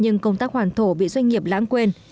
nhưng công tác hoàn thổ bị doanh nghiệp lãng quên